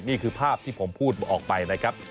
นี่คือภาพที่ผมพูดออกไปนะครับ